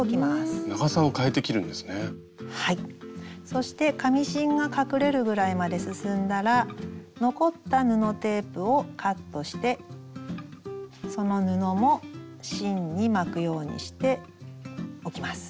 そして紙芯が隠れるぐらいまで進んだら残った布テープをカットしてその布も芯に巻くようにしておきます。